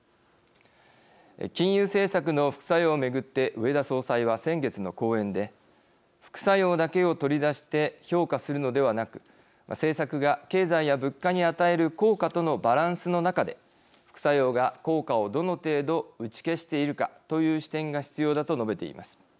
金融政策の副作用を巡って植田総裁は先月の講演で副作用だけを取り出して評価するのではなく政策が経済や物価に与える効果とのバランスの中で副作用が効果をどの程度打ち消しているかという視点が必要だと述べています。